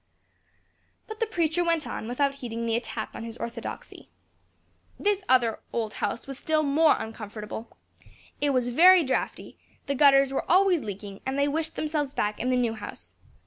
But the preacher went on, without heeding the attack on his orthodoxy. "This other old house was still more uncomfortable: it was very draughty; the gutters were always leaking; and they wished themselves back in the new house.